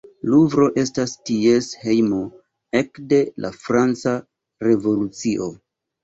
Luvro estas ties hejmo ekde la Franca Revolucio.